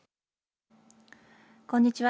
こんにちは。